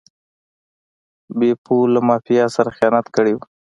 بیپو له مافیا سره خیانت کړی و.